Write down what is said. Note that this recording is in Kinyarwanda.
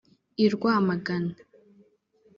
i Rwamagana